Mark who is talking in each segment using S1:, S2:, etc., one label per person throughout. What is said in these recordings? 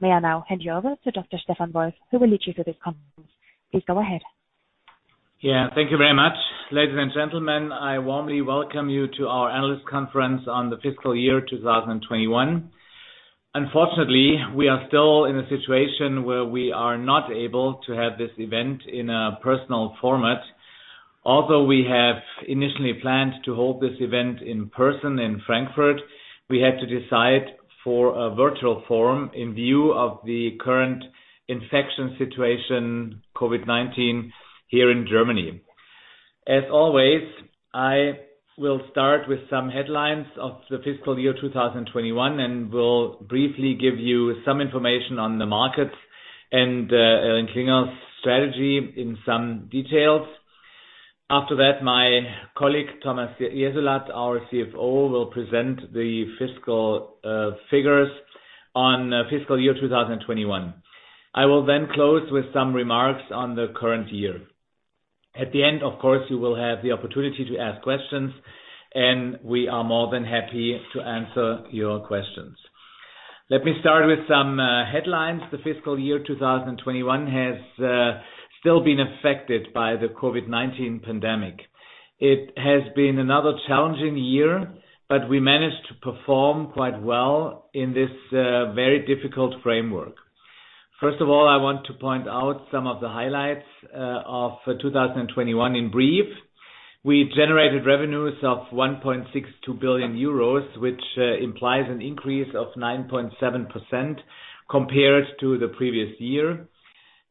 S1: May I now hand you over to Dr. Stefan Wolf, who will lead you through this conference. Please go ahead.
S2: Yeah, thank you very much. Ladies and gentlemen, I warmly welcome you to our analyst conference on the fiscal year 2021. Unfortunately, we are still in a situation where we are not able to have this event in a personal format. Although we have initially planned to hold this event in person in Frankfurt, we had to decide for a virtual forum in view of the current infection situation, COVID-19, here in Germany. As always, I will start with some headlines of the fiscal year 2021, and will briefly give you some information on the markets and ElringKlinger's strategy in some details. After that, my colleague, Thomas Jessulat, our CFO, will present the fiscal figures on fiscal year 2021. I will then close with some remarks on the current year. At the end, of course, you will have the opportunity to ask questions, and we are more than happy to answer your questions. Let me start with some headlines. The fiscal year 2021 has still been affected by the COVID-19 pandemic. It has been another challenging year, but we managed to perform quite well in this very difficult framework. First of all, I want to point out some of the highlights of 2021 in brief. We generated revenues of €1.62 billion, which implies an increase of 9.7% compared to the previous year.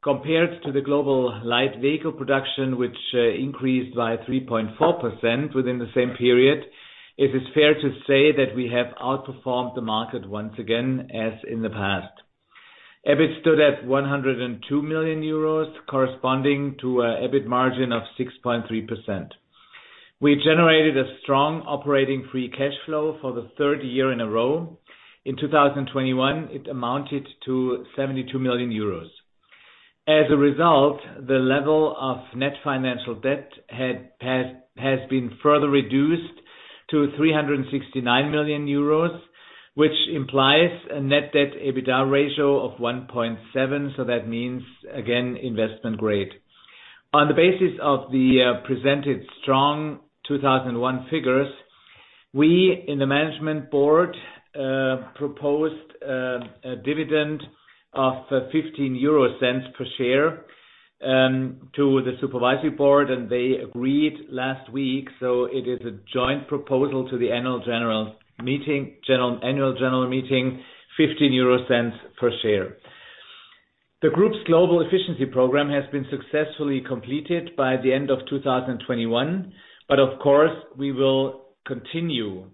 S2: Compared to the global light vehicle production, which increased by 3.4% within the same period, it is fair to say that we have outperformed the market once again, as in the past. EBIT stood at €102 million, corresponding to an EBIT margin of 6.3%. We generated a strong operating free cash flow for the third year in a row. In 2021, it amounted to €72 million. As a result, the level of net financial debt had been further reduced to €369 million, which implies a net debt EBITDA ratio of 1.7, so that means, again, investment grade. On the basis of the presented strong 2021 figures, we in the Management Board proposed a dividend of 0.15 per share to the Supervisory Board, and they agreed last week. It is a joint proposal to the Annual General Meeting, €0.15 per share. The group's global efficiency program has been successfully completed by the end of 2021, but of course, we will continue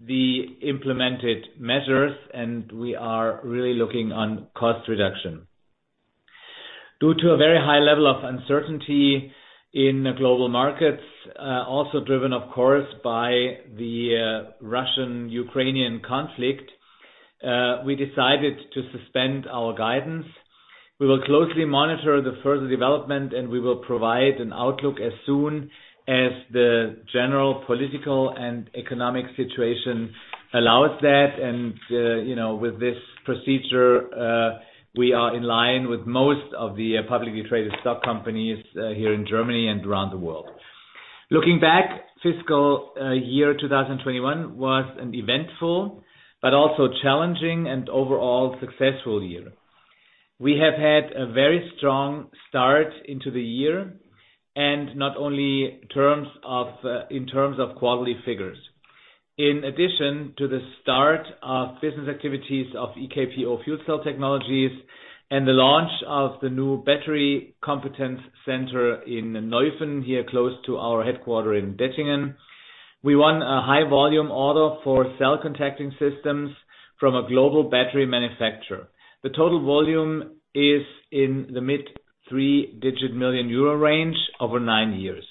S2: the implemented measures, and we are really looking at cost reduction. Due to a very high level of uncertainty in the global markets, also driven, of course, by the Russian-Ukrainian conflict, we decided to suspend our guidance. We will closely monitor the further development, and we will provide an outlook as soon as the general political and economic situation allows that. You know, with this procedure, we are in line with most of the publicly traded stock companies here in Germany and around the world. Looking back, fiscal year 2021 was an eventful, but also challenging and overall successful year. We have had a very strong start into the year, and not only in terms of quality figures. In addition to the start of business activities of EKPO Fuel Cell Technologies and the launch of the new battery competence center in Neuffen, here close to our headquarters in Dettingen, we won a high volume order for cell contacting systems from a global battery manufacturer. The total volume is in the mid-three-digit million € range over 9 years.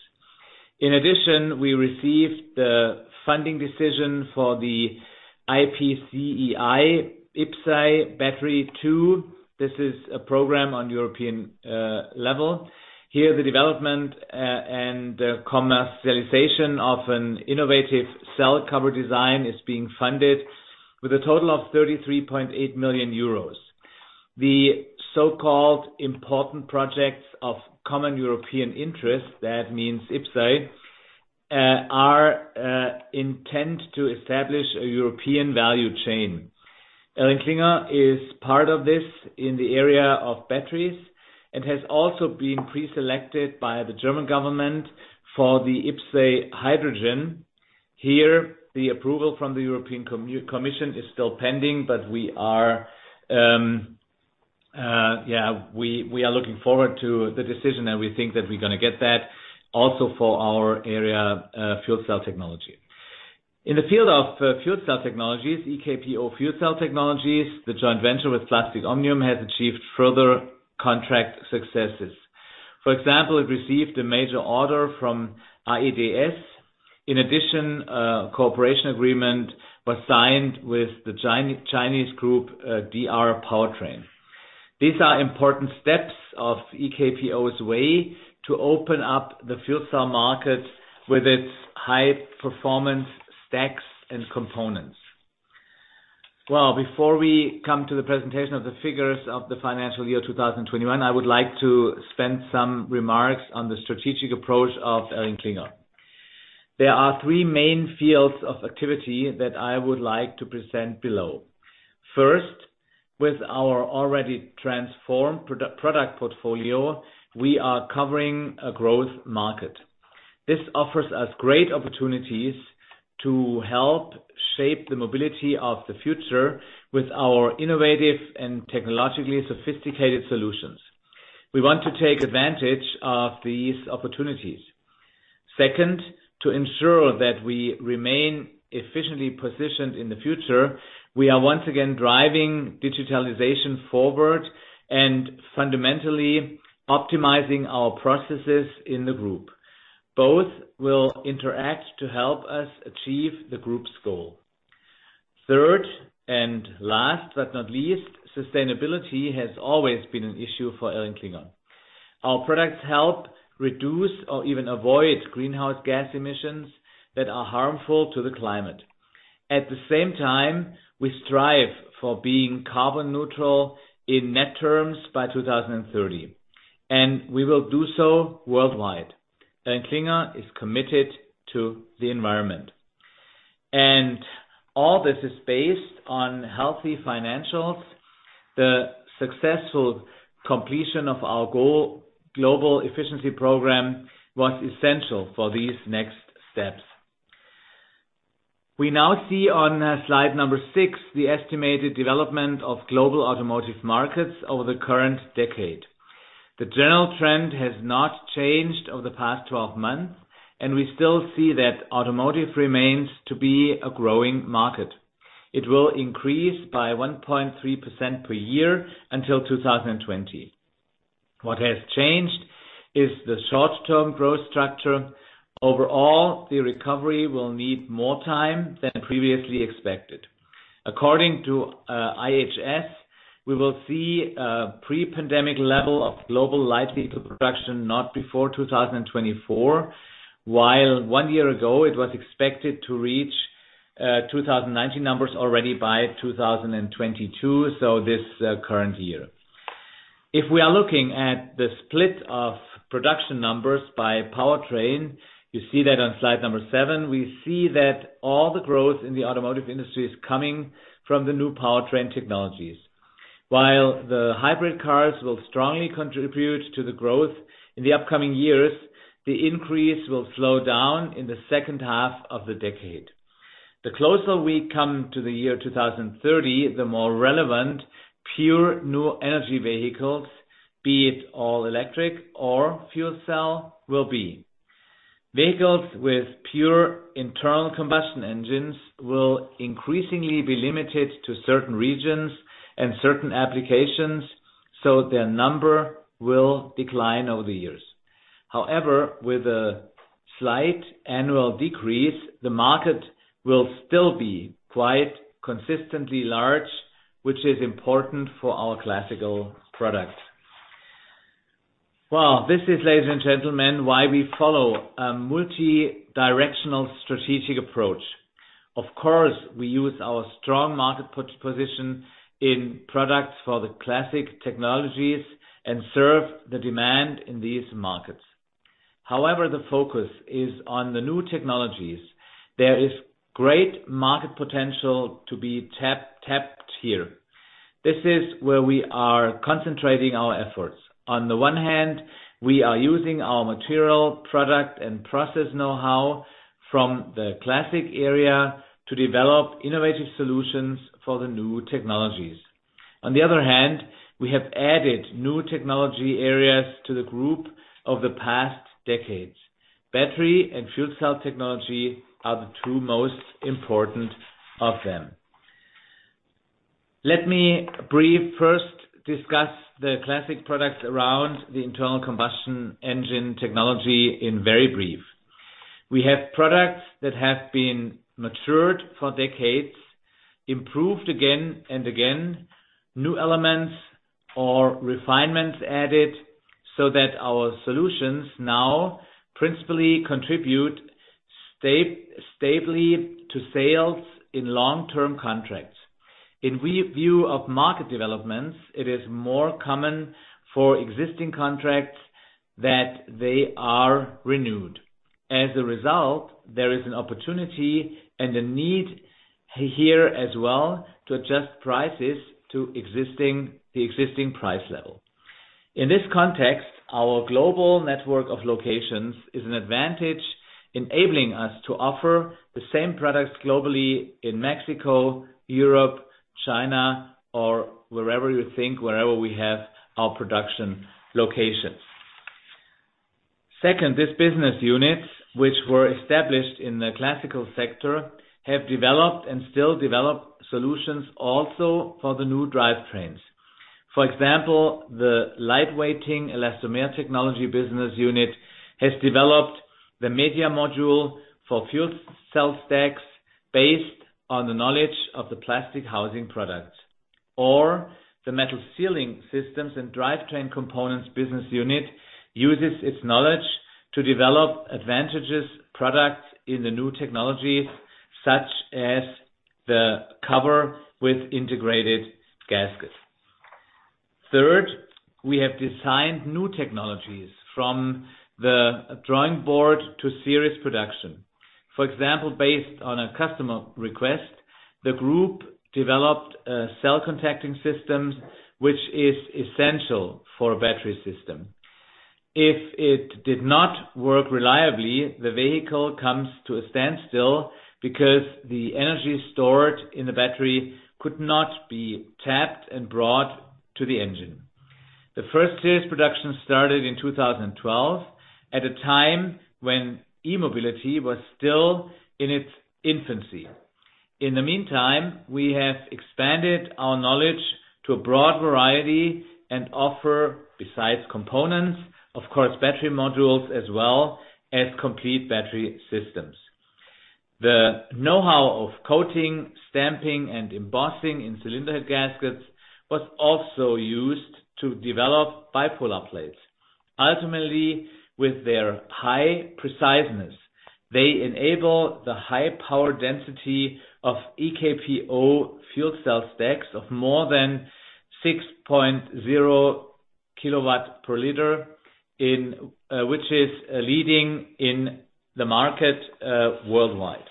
S2: In addition, we received the funding decision for the IPCEI battery two. This is a program on European level. Here, the development and the commercialization of an innovative cell cover design is being funded with a total of €33.8 million. The so-called important projects of common European interest, that means IPCEI, are intended to establish a European value chain. ElringKlinger is part of this in the area of batteries, and has also been preselected by the German government for the IPCEI hydrogen. Here, the approval from the European Commission is still pending, but we are looking forward to the decision, and we think that we're gonna get that also for our area, fuel cell technology. In the field of fuel cell technologies, EKPO Fuel Cell Technologies, the joint venture with Plastic Omnium, has achieved further contract successes. For example, it received a major order from AEDS. In addition, a cooperation agreement was signed with the Chinese group, DR Powertrain. These are important steps of EKPO's way to open up the fuel cell market with its high performance stacks and components. Well, before we come to the presentation of the figures of the financial year 2021, I would like to spend some remarks on the strategic approach of ElringKlinger. There are three main fields of activity that I would like to present below. First, with our already transformed product portfolio, we are covering a growth market. This offers us great opportunities to help shape the mobility of the future with our innovative and technologically sophisticated solutions. We want to take advantage of these opportunities. Second, to ensure that we remain efficiently positioned in the future, we are once again driving digitalization forward and fundamentally optimizing our processes in the group. Both will interact to help us achieve the group's goal. Third, and last but not least, sustainability has always been an issue for ElringKlinger. Our products help reduce or even avoid greenhouse gas emissions that are harmful to the climate. At the same time, we strive for being carbon neutral in net terms by 2030, and we will do so worldwide. ElringKlinger is committed to the environment. All this is based on healthy financials. The successful completion of our global efficiency program was essential for these next steps. We now see on slide 6, the estimated development of global automotive markets over the current decade. The general trend has not changed over the past 12 months, and we still see that automotive remains to be a growing market. It will increase by 1.3% per year until 2020. What has changed is the short-term growth structure. Overall, the recovery will need more time than previously expected. According to IHS, we will see a pre-pandemic level of global light vehicle production not before 2024, while one year ago it was expected to reach 2019 numbers already by 2022, so this current year. If we are looking at the split of production numbers by powertrain, you see that on slide number 7. We see that all the growth in the automotive industry is coming from the new powertrain technologies. While the hybrid cars will strongly contribute to the growth in the upcoming years, the increase will slow down in the second half of the decade. The closer we come to the year 2030, the more relevant pure new energy vehicles, be it all electric or fuel cell, will be. Vehicles with pure internal combustion engines will increasingly be limited to certain regions and certain applications, so their number will decline over the years. However, with a slight annual decrease, the market will still be quite consistently large, which is important for our classic products. Well, this is, ladies and gentlemen, why we follow a multidirectional strategic approach. Of course, we use our strong market position in products for the classic technologies and serve the demand in these markets. However, the focus is on the new technologies. There is great market potential to be tapped here. This is where we are concentrating our efforts. On the one hand, we are using our material, product, and process know-how from the classic area to develop innovative solutions for the new technologies. On the other hand, we have added new technology areas to the group over the past decades. Battery and fuel cell technology are the two most important of them. Let me briefly discuss the classic products around the internal combustion engine technology very briefly. We have products that have been matured for decades, improved again and again, new elements or refinements added, so that our solutions now principally contribute stably to sales in long-term contracts. In review of market developments, it is more common for existing contracts that they are renewed. As a result, there is an opportunity and a need here as well to adjust prices to existing price level. In this context, our global network of locations is an advantage enabling us to offer the same products globally in Mexico, Europe, China, or wherever we have our production locations. Second, these business units, which were established in the classical sector, have developed and still develop solutions also for the new drivetrains. For example, the Lightweighting Elastomer Technology business unit has developed the media module for fuel cell stacks. Based on the knowledge of the plastic housing product or the Metal Sealing Systems & Drivetrain Components business unit uses its knowledge to develop advantageous products in the new technologies, such as the cover with integrated gaskets. Third, we have designed new technologies from the drawing board to series production. For example, based on a customer request, the group developed cell contacting systems, which is essential for a battery system. If it did not work reliably, the vehicle comes to a standstill because the energy stored in the battery could not be tapped and brought to the engine. The first serious production started in 2012, at a time when E-Mobility was still in its infancy. In the meantime, we have expanded our knowledge to a broad variety and offer, besides components, of course, battery modules as well as complete battery systems. The know-how of coating, stamping, and embossing in cylinder-head gaskets was also used to develop bipolar plates. Ultimately, with their high preciseness, they enable the high power density of EKPO fuel cell stacks of more than 6.0 kW/L, which is leading in the market worldwide.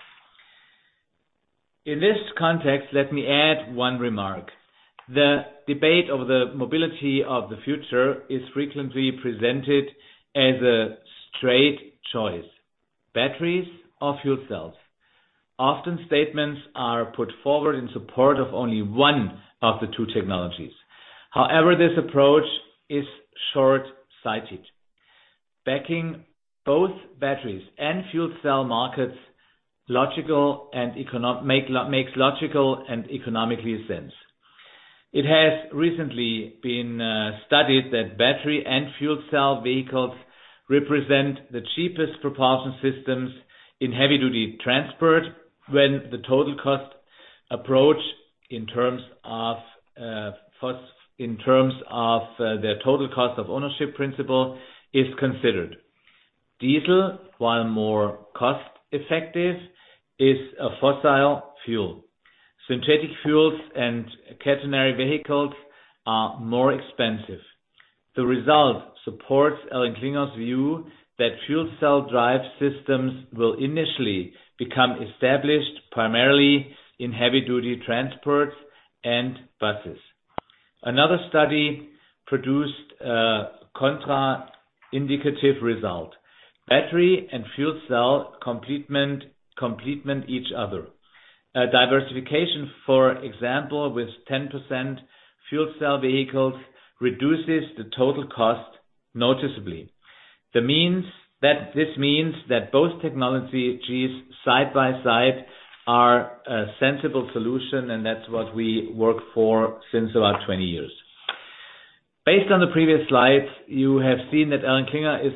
S2: In this context, let me add one remark. The debate over the mobility of the future is frequently presented as a straight choice, batteries or fuel cells. Often, statements are put forward in support of only one of the two technologies. However, this approach is short-sighted. Backing both batteries and fuel cell markets makes logical and economically sense. It has recently been studied that battery and fuel cell vehicles represent the cheapest propulsion systems in heavy-duty transport when the total cost approach in terms of their total cost of ownership principle is considered. Diesel, while more cost-effective, is a fossil fuel. Synthetic fuels and catenary vehicles are more expensive. The result supports ElringKlinger's view that fuel cell drive systems will initially become established primarily in heavy-duty transports and buses. Another study produced a contraindicative result. Battery and fuel cell complement each other. Diversification, for example, with 10% fuel cell vehicles, reduces the total cost noticeably. This means that both technologies side by side are a sensible solution, and that's what we work for since about 20 years. Based on the previous slides, you have seen that ElringKlinger is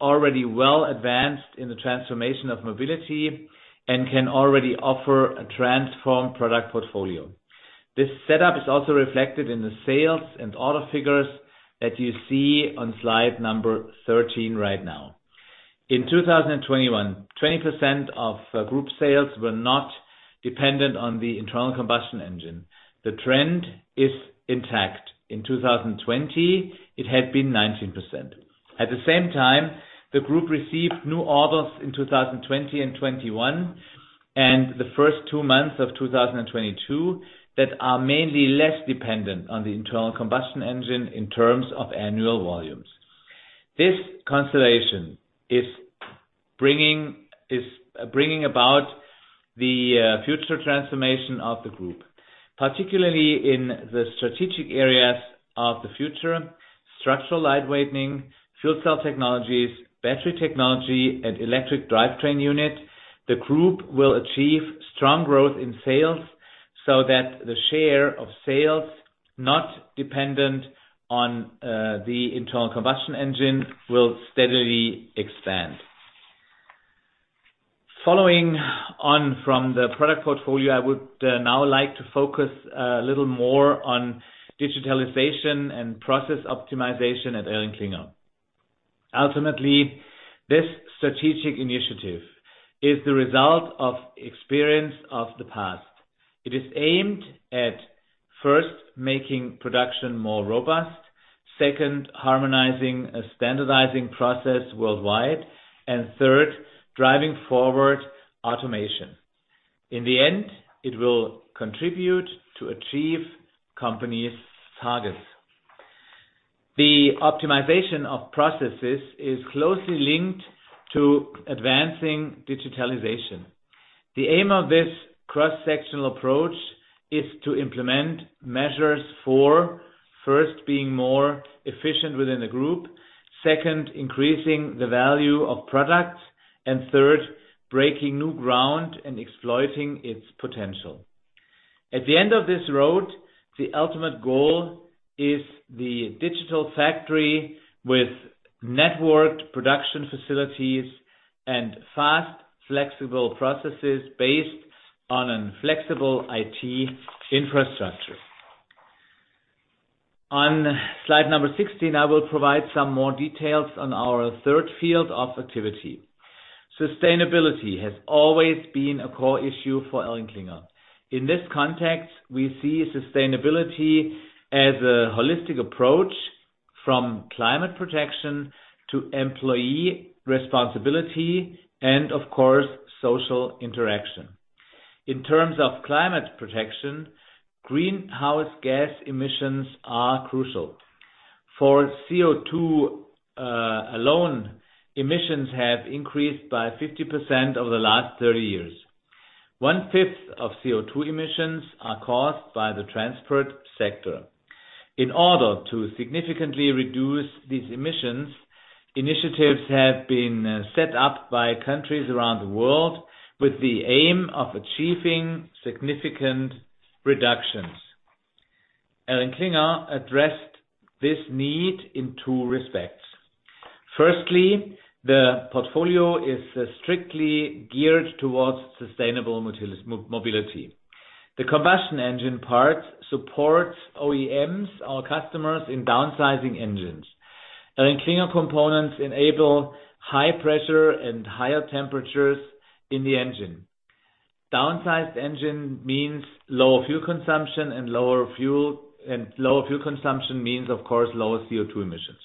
S2: already well advanced in the transformation of mobility and can already offer a transformed product portfolio. This setup is also reflected in the sales and order figures that you see on slide 13 right now. In 2021, 20% of group sales were not dependent on the internal combustion engine. The trend is intact. In 2020, it had been 19%. At the same time, the group received new orders in 2020 and 2021, and the first two months of 2022 that are mainly less dependent on the internal combustion engine in terms of annual volumes. This constellation is bringing about the future transformation of the group, particularly in the strategic areas of the future: structural lightweighting, fuel cell technologies, battery technology, and electric drivetrain unit. The group will achieve strong growth in sales so that the share of sales not dependent on the internal combustion engine will steadily expand. Following on from the product portfolio, I would now like to focus a little more on digitalization and process optimization at ElringKlinger. Ultimately, this strategic initiative is the result of experience of the past. It is aimed at, first, making production more robust. Second, harmonizing and standardizing process worldwide. Third, driving forward automation. In the end, it will contribute to achieve company's targets. The optimization of processes is closely linked to advancing digitalization. The aim of this cross-sectional approach is to implement measures for, first, being more efficient within the group. Second, increasing the value of products. Third, breaking new ground and exploiting its potential. At the end of this road, the ultimate goal is the digital factory with networked production facilities and fast, flexible processes based on a flexible IT infrastructure. On slide number 16, I will provide some more details on our third field of activity. Sustainability has always been a core issue for ElringKlinger. In this context, we see sustainability as a holistic approach from climate protection to employee responsibility and, of course, social interaction. In terms of climate protection, greenhouse gas emissions are crucial. For CO2 alone, emissions have increased by 50% over the last 30 years. One-fifth of CO2 emissions are caused by the transport sector. In order to significantly reduce these emissions, initiatives have been set up by countries around the world with the aim of achieving significant reductions. ElringKlinger addressed this need in two respects. Firstly, the portfolio is strictly geared towards sustainable mobility. The combustion engine part supports OEMs, our customers, in downsizing engines. ElringKlinger components enable high pressure and higher temperatures in the engine. Downsized engine means lower fuel consumption and lower fuel consumption means, of course, lower CO2 emissions.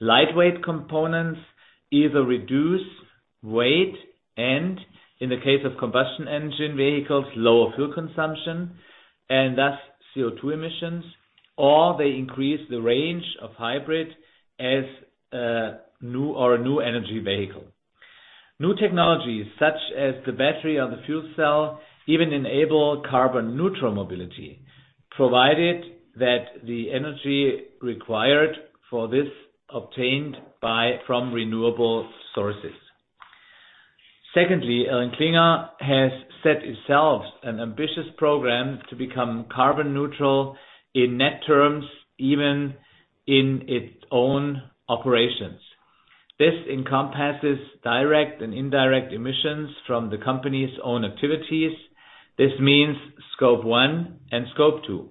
S2: Lightweight components either reduce weight and, in the case of combustion engine vehicles, lower fuel consumption and thus CO2 emissions, or they increase the range of hybrid as a new energy vehicle. New technologies such as the battery or the fuel cell even enable carbon-neutral mobility, provided that the energy required for this obtained from renewable sources. Secondly, ElringKlinger has set itself an ambitious program to become carbon neutral in net terms, even in its own operations. This encompasses direct and indirect emissions from the company's own activities. This means Scope 1 and Scope 2.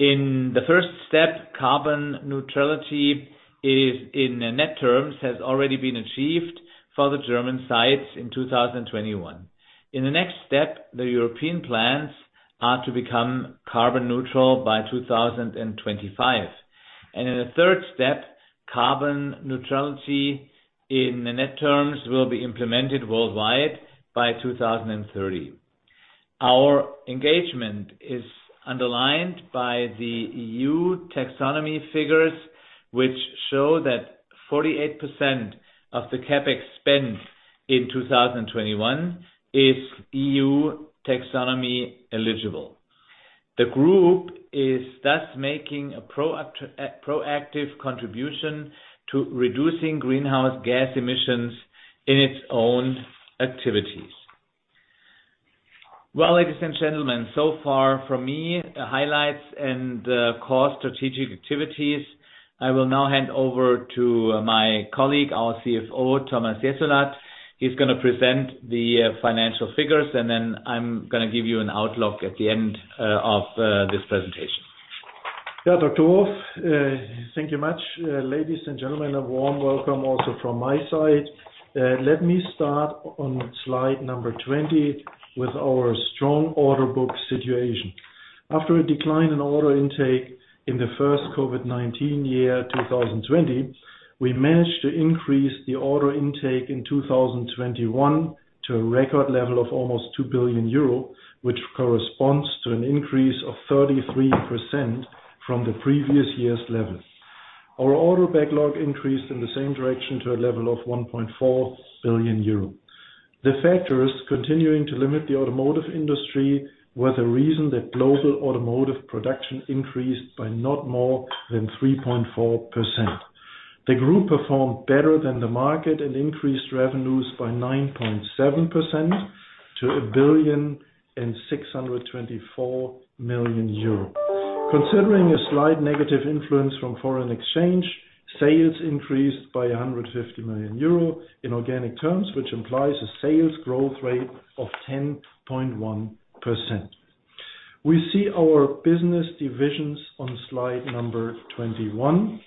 S2: In the first step, carbon neutrality in net terms has already been achieved for the German sites in 2021. In the next step, the European plants are to become carbon neutral by 2025. In the third step, carbon neutrality in net terms will be implemented worldwide by 2030. Our engagement is underlined by the EU Taxonomy figures, which show that 48% of the CapEx spend in 2021 is EU Taxonomy eligible. The group is thus making a proactive contribution to reducing greenhouse gas emissions in its own activities. Well, ladies and gentlemen, so far from me, the highlights and core strategic activities. I will now hand over to my colleague, our CFO, Thomas Jessulat. He's gonna present the financial figures, and then I'm gonna give you an outlook at the end of this presentation.
S3: Yeah, Dr. Wolf, thank you much. Ladies and gentlemen, a warm welcome also from my side. Let me start on slide number 20 with our strong order book situation. After a decline in order intake in the first COVID-19 year, 2020, we managed to increase the order intake in 2021 to a record level of almost €2 billion, which corresponds to an increase of 33% from the previous year's level. Our order backlog increased in the same direction to a level of €1.4 billion. The factors continuing to limit the automotive industry were the reason that global automotive production increased by not more than 3.4%. The group performed better than the market and increased revenues by 9.7% to €1.624 billion. Considering a slight negative influence from foreign exchange, sales increased by €150 million in organic terms, which implies a sales growth rate of 10.1%. We see our business divisions on slide 21.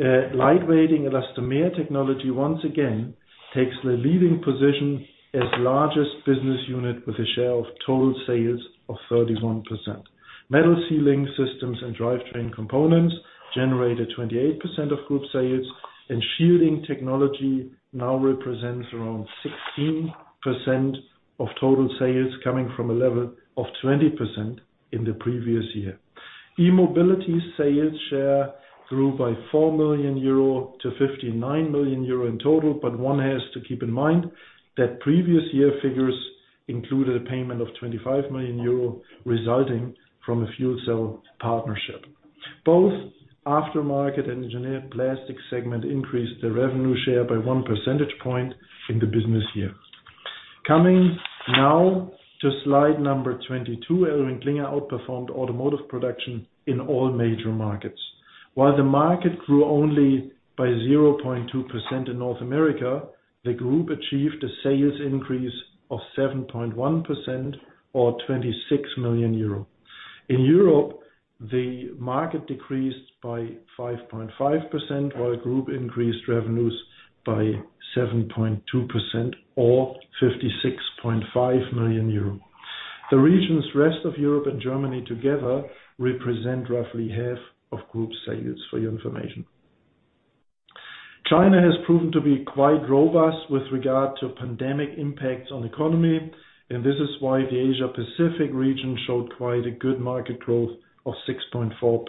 S3: Lightweighting/Elastomer Technology once again takes the leading position as largest business unit with a share of total sales of 31%. Metal Sealing Systems & Drivetrain Components generated 28% of group sales, and Shielding Technology now represents around 16% of total sales, coming from a level of 20% in the previous year. E-Mobility sales share grew by €4 million to €59 million in total, but one has to keep in mind that previous year figures included a payment of €25 million resulting from a fuel cell partnership. Both Aftermarket and Engineered Plastics segment increased the revenue share by one percentage point in the business year. Coming now to slide number 22, ElringKlinger outperformed automotive production in all major markets. While the market grew only by 0.2% in North America, the group achieved a sales increase of 7.1% or €26 million. In Europe, the market decreased by 5.5%, while group increased revenues by 7.2% or €56.5 million. The rest of Europe and Germany together represent roughly half of group sales for your information. China has proven to be quite robust with regard to pandemic impacts on economy, and this is why the Asia-Pacific region showed quite a good market growth of 6.4%.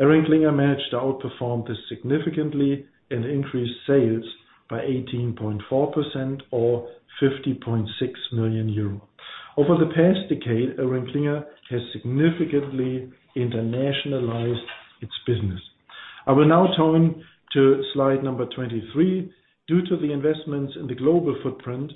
S3: ElringKlinger managed to outperform this significantly and increase sales by 18.4% or €50.6 million. Over the past decade, ElringKlinger has significantly internationalized its business. I will now turn to slide 23. Due to the investments in the global footprint,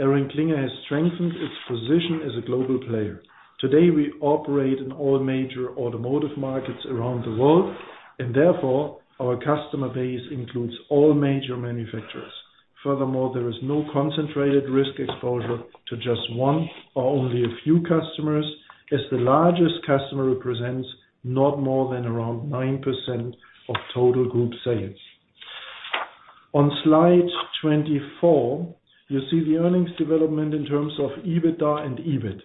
S3: ElringKlinger has strengthened its position as a global player. Today, we operate in all major automotive markets around the world, and therefore, our customer base includes all major manufacturers. Furthermore, there is no concentrated risk exposure to just one or only a few customers, as the largest customer represents not more than around 9% of total group sales. On slide 24, you see the earnings development in terms of EBITDA and EBIT.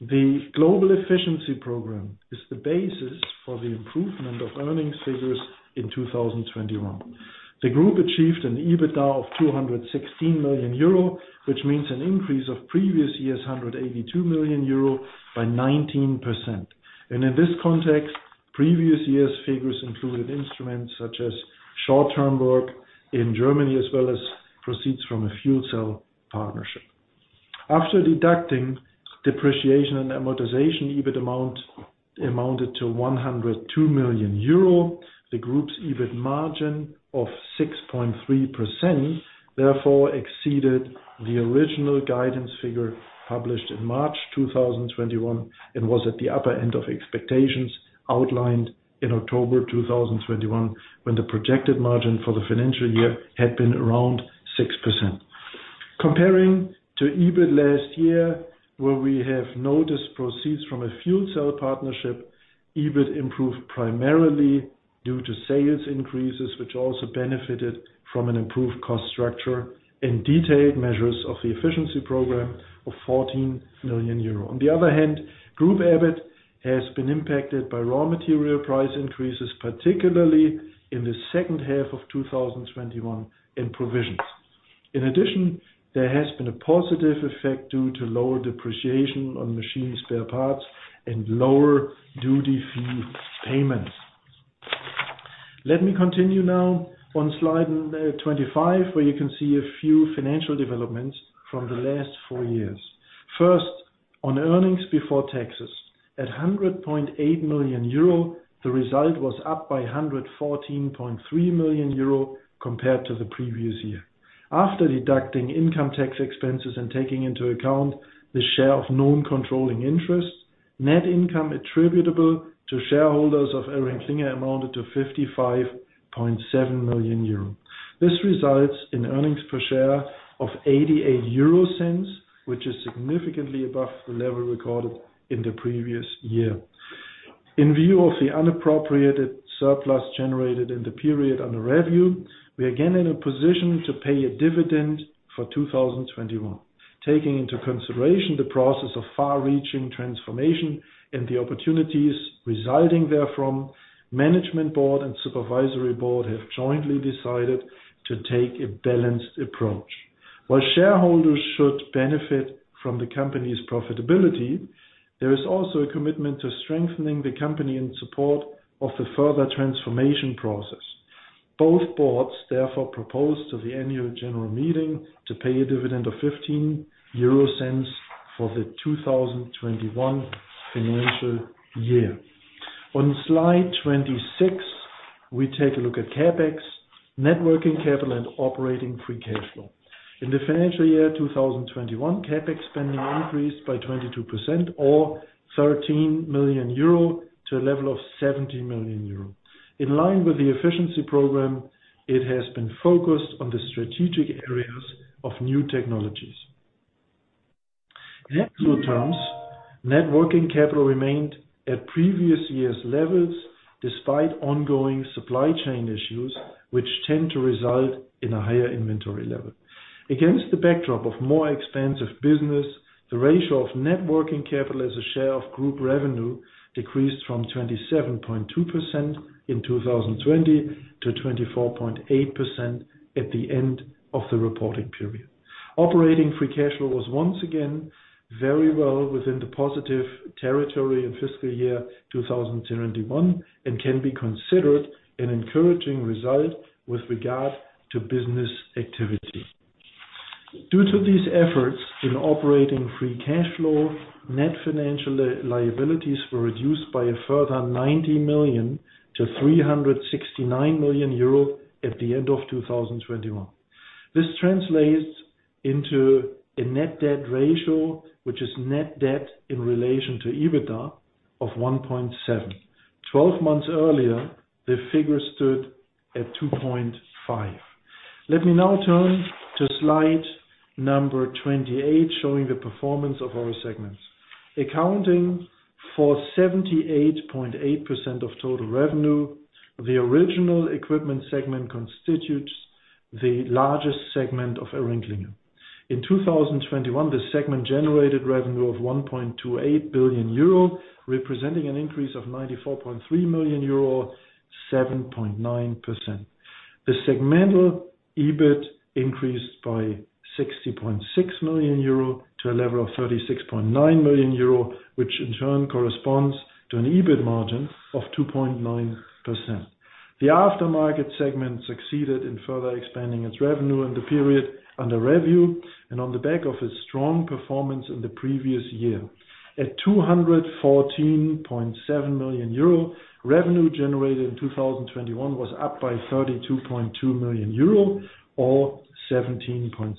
S3: The Global Efficiency Program is the basis for the improvement of earnings figures in 2021. The group achieved an EBITDA of 216 million euro, which means an increase of previous year's €182 million by 19%. In this context, previous year's figures included instruments such as short-term work in Germany, as well as proceeds from a fuel cell partnership. After deducting depreciation and amortization, EBIT amounted to €102 million. The group's EBIT margin of 6.3% therefore exceeded the original guidance figure published in March 2021 and was at the upper end of expectations outlined in October 2021, when the projected margin for the financial year had been around 6%. Comparing to EBIT last year, where we have noticed proceeds from a fuel cell partnership, EBIT improved primarily due to sales increases, which also benefited from an improved cost structure and detailed measures of the efficiency program of €14 million. On the other hand, group EBIT has been impacted by raw material price increases, particularly in the second half of 2021, and provisions. In addition, there has been a positive effect due to lower depreciation on machine spare parts and lower duty fee payments. Let me continue now on slide 25, where you can see a few financial developments from the last four years. First, on earnings before taxes. At €100.8 million, the result was up by €114.3 million compared to the previous year. After deducting income tax expenses and taking into account the share of non-controlling interest, net income attributable to shareholders of ElringKlinger amounted to €55.7 million. This results in earnings per share of €0.88, which is significantly above the level recorded in the previous year. In view of the unappropriated surplus generated in the period under review, we are again in a position to pay a dividend for 2021. Taking into consideration the process of far-reaching transformation and the opportunities residing therefrom, Management Board and Supervisory Board have jointly decided to take a balanced approach. While shareholders should benefit from the company's profitability, there is also a commitment to strengthening the company in support of the further transformation process. Both boards therefore propose to the annual general meeting to pay a dividend of €0.15 for the 2021 financial year. On slide 26, we take a look at CapEx, net working capital, and operating free cash flow. In the financial year 2021, CapEx spending increased by 22% or €13 million to a level of €70 million. In line with the efficiency program, it has been focused on the strategic areas of new technologies. In absolute terms, net working capital remained at previous year's levels despite ongoing supply chain issues, which tend to result in a higher inventory level. Against the backdrop of more expansive business, the ratio of net working capital as a share of group revenue decreased from 27.2% in 2020 to 24.8% at the end of the reporting period. Operating free cash flow was once again very well within the positive territory in fiscal year 2021 and can be considered an encouraging result with regard to business activity. Due to these efforts in operating free cash flow, net financial debt was reduced by a further €90 million to €369 million at the end of 2021. This translates into a net debt ratio, which is net debt in relation to EBITDA of 1.7. Twelve months earlier, the figure stood at 2.5. Let me now turn to slide 28, showing the performance of our segments. Accounting for 78.8% of total revenue, the Original Equipment segment constitutes the largest segment of ElringKlinger. In 2021, the segment generated revenue of €1.28 billion, representing an increase of €94.3 million, 7.9%. The segmental EBIT increased by €60.6 million to a level of €36.9 million, which in turn corresponds to an EBIT margin of 2.9%. The Aftermarket segment succeeded in further expanding its revenue in the period under review and on the back of its strong performance in the previous year. At €214.7 million, revenue generated in 2021 was up by € 32.2 million or 17.6%.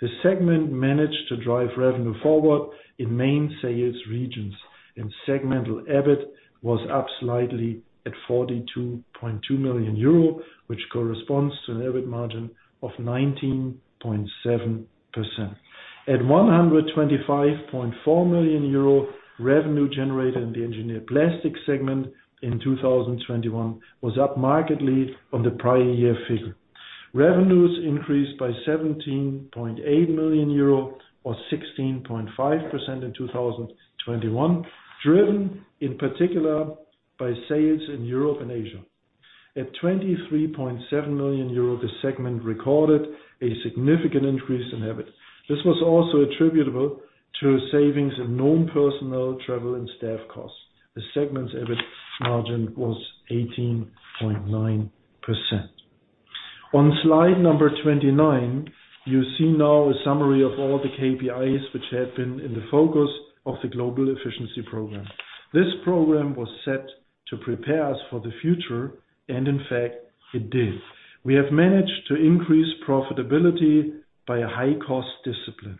S3: The segment managed to drive revenue forward in main sales regions. Segmental EBIT was up slightly at €42.2 million, which corresponds to an EBIT margin of 19.7%. At €125.4 million, revenue generated in the Engineered Plastics segment in 2021 was up markedly on the prior year figure. Revenues increased by €17.8 million or 16.5% in 2021, driven in particular by sales in Europe and Asia. At €23.7 million, the segment recorded a significant increase in EBIT. This was also attributable to savings in non-personnel travel and staff costs. The segment's EBIT margin was 18.9%. On slide 29, you see now a summary of all the KPIs which had been in the focus of the global efficiency enhancement program. This program was set to prepare us for the future, and in fact, it did. We have managed to increase profitability by a high cost discipline.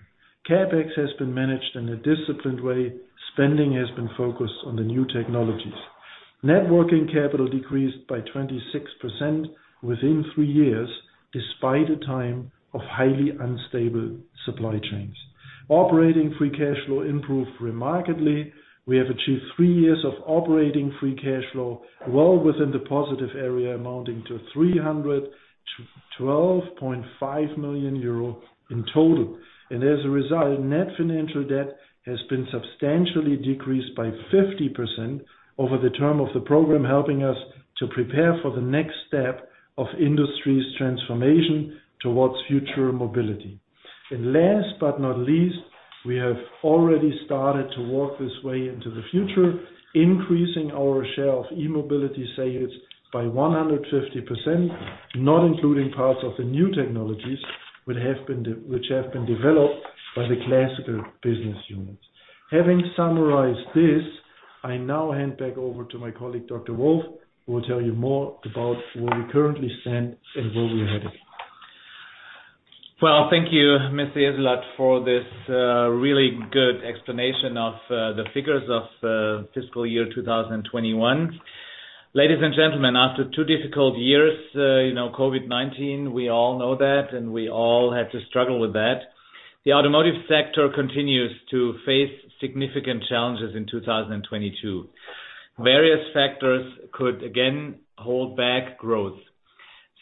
S3: CapEx has been managed in a disciplined way. Spending has been focused on the new technologies. Net working capital decreased by 26% within 3 years, despite a time of highly unstable supply chains. Operating free cash flow improved remarkably. We have achieved 3 years of operating free cash flow well within the positive area, amounting to €312.5 million in total. As a result, net financial debt has been substantially decreased by 50% over the term of the program, helping us to prepare for the next step of industry's transformation towards future mobility. Last but not least, we have already started to work this way into the future, increasing our share of E-Mobility sales by 100%, not including parts of the new technologies which have been developed by the classical business units. Having summarized this, I now hand back over to my colleague, Dr. Wolf, who will tell you more about where we currently stand and where we're heading.
S2: Well, thank you, Mr. Jessulat, for this, really good explanation of, the figures of, fiscal year 2021. Ladies and gentlemen, after two difficult years, you know, COVID-19, we all know that, and we all had to struggle with that. The automotive sector continues to face significant challenges in 2022. Various factors could again hold back growth.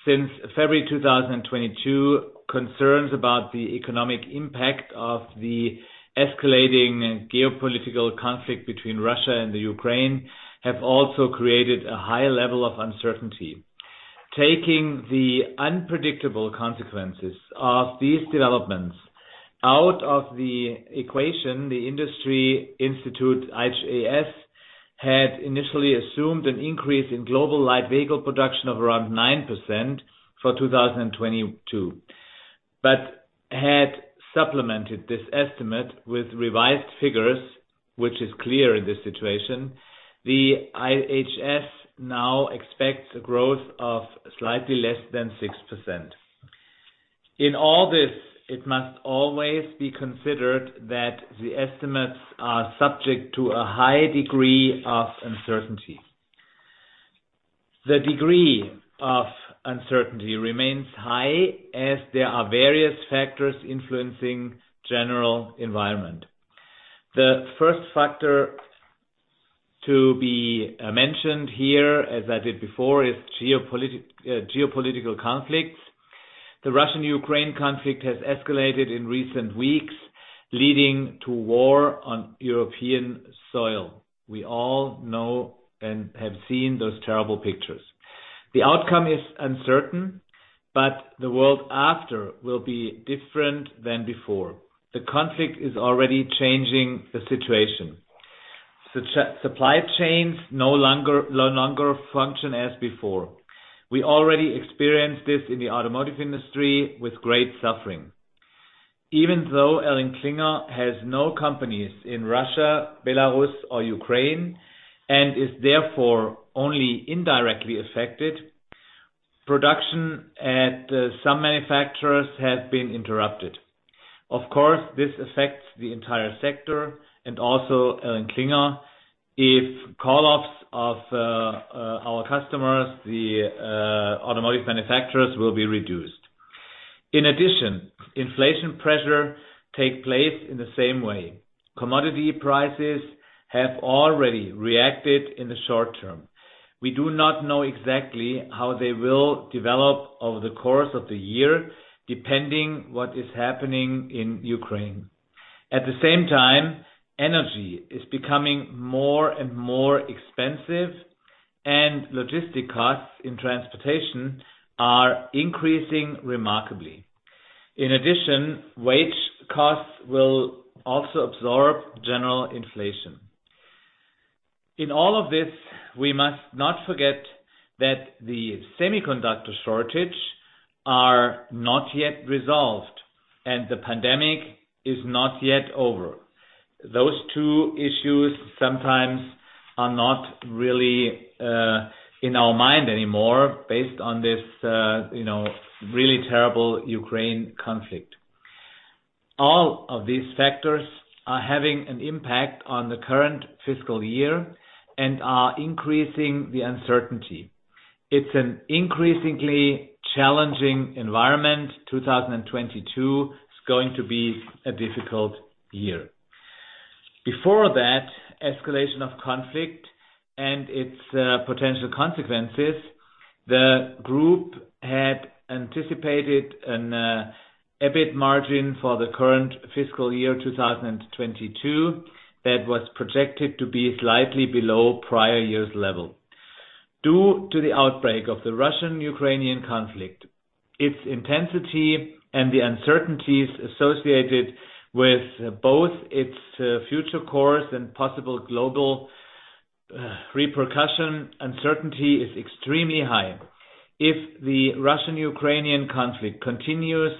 S2: Since February 2022, concerns about the economic impact of the escalating geopolitical conflict between Russia and the Ukraine have also created a high level of uncertainty. Taking the unpredictable consequences of these developments out of the equation, the Industry Institute, IHS, had initially assumed an increase in global light vehicle production of around 9% for 2022, but had supplemented this estimate with revised figures, which is clear in this situation. The IHS now expects a growth of slightly less than 6%. In all this, it must always be considered that the estimates are subject to a high degree of uncertainty. The degree of uncertainty remains high as there are various factors influencing general environment. The first factor to be mentioned here, as I did before, is geopolitical conflicts. The Russian-Ukraine conflict has escalated in recent weeks, leading to war on European soil. We all know and have seen those terrible pictures. The outcome is uncertain, but the world after will be different than before. The conflict is already changing the situation. Supply chains no longer function as before. We already experienced this in the automotive industry with great suffering. Even though ElringKlinger has no companies in Russia, Belarus or Ukraine, and is therefore only indirectly affected, production at some manufacturers has been interrupted. Of course, this affects the entire sector and also ElringKlinger if call-offs of our customers, the automotive manufacturers will be reduced. In addition, inflation pressure take place in the same way. Commodity prices have already reacted in the short term. We do not know exactly how they will develop over the course of the year, depending what is happening in Ukraine. At the same time, energy is becoming more and more expensive and logistic costs in transportation are increasing remarkably. In addition, wage costs will also absorb general inflation. In all of this, we must not forget that the semiconductor shortage are not yet resolved and the pandemic is not yet over. Those two issues sometimes are not really in our mind anymore based on this you know, really terrible Ukraine conflict. All of these factors are having an impact on the current fiscal year and are increasing the uncertainty. It's an increasingly challenging environment. 2022 is going to be a difficult year. Before that escalation of conflict and its potential consequences, the group had anticipated an EBIT margin for the current fiscal year, 2022, that was projected to be slightly below prior year's level. Due to the outbreak of the Russian-Ukrainian conflict, its intensity and the uncertainties associated with both its future course and possible global repercussions, uncertainty is extremely high. If the Russian-Ukrainian conflict continues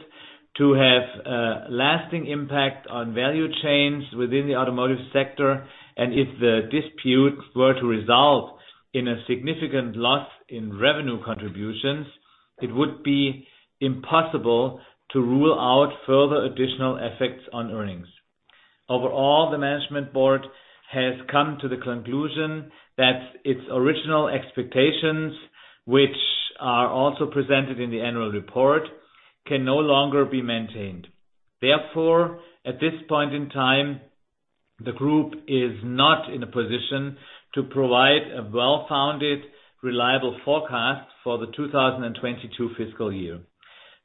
S2: to have lasting impact on value chains within the automotive sector, and if the dispute were to result in a significant loss in revenue contributions, it would be impossible to rule out further additional effects on earnings. Overall, the management board has come to the conclusion that its original expectations, which are also presented in the annual report, can no longer be maintained. Therefore, at this point in time, the group is not in a position to provide a well-founded, reliable forecast for the 2022 fiscal year.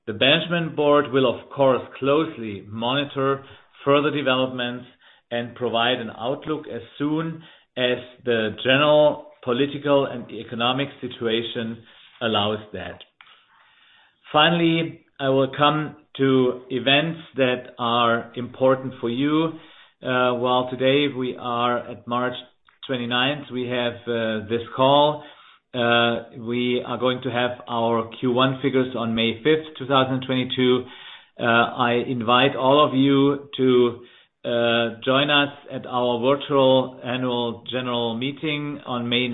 S2: The management board will of course closely monitor further developments and provide an outlook as soon as the general political and economic situation allows that. Finally, I will come to events that are important for you. Today we are at March 29. We have this call. We are going to have our Q1 figures on May 5, 2022. I invite all of you to join us at our virtual annual general meeting on May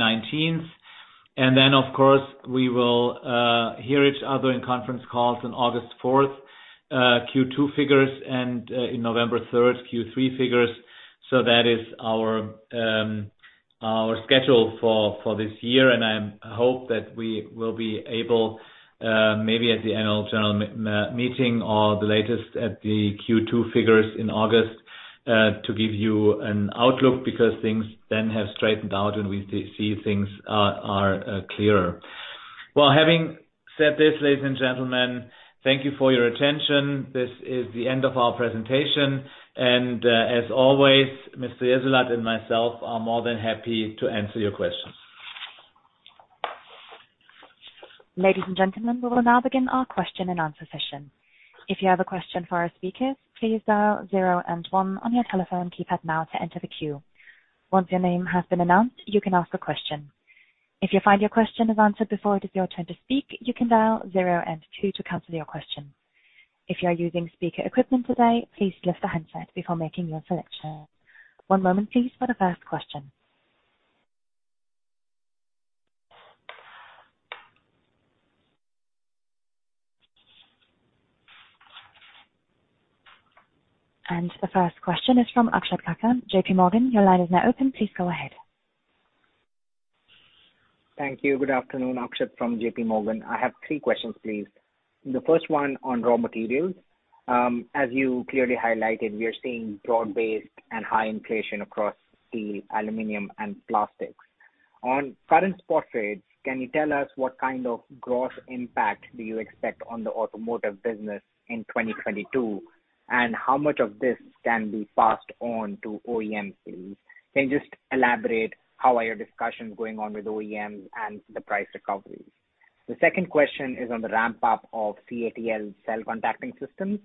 S2: 19. Then of course we will hear each other in conference calls on August 4, Q2 figures, and in November 3, Q3 figures. That is our schedule for this year. I hope that we will be able, maybe at the annual general meeting or the latest at the Q2 figures in August, to give you an outlook because things then have straightened out and we see things are clearer. Well, having said this, ladies and gentlemen, thank you for your attention. This is the end of our presentation. As always, Mr. Jessulat and myself are more than happy to answer your questions.
S1: Ladies and gentlemen, we will now begin our question and answer session. If you have a question for our speakers, please dial 0 and 1 on your telephone keypad now to enter the queue. Once your name has been announced, you can ask a question. If you find your question is answered before it is your turn to speak, you can dial 0 and 2 to cancel your question. If you are using speaker equipment today, please lift the handset before making your selection. One moment please for the first question. The first question is from Akshat Kacker, J.P. Morgan. Your line is now open. Please go ahead.
S4: Thank you. Good afternoon. Akshat Kacker from JPMorgan. I have three questions, please. The first one on raw materials. As you clearly highlighted, we are seeing broad-based and high inflation across steel, aluminum and plastics. On current spot rates, can you tell us what kind of gross impact do you expect on the automotive business in 2022, and how much of this can be passed on to OEMs, please? Can you just elaborate how are your discussions going on with OEMs and the price recoveries? The second question is on the ramp up of CATL cell contacting systems.